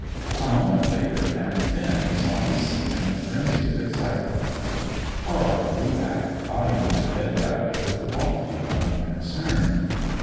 A moment later and Finn was on the scene in a frenzy of excitement. Tara drew back, eyeing the dead rabbit with lofty unconcern.